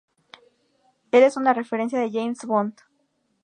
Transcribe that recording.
El es una referencia de James Bond.